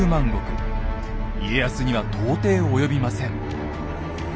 家康には到底及びません。